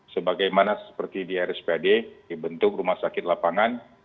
sebagaimana seperti di rspad dibentuk rumah sakit lapangan